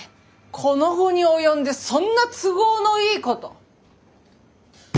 この期に及んでそんな都合のいいこと。